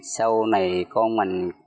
sau này con mình